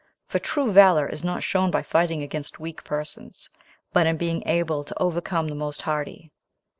for true valor is not shown by fighting against weak persons, but in being able to overcome the most hardy.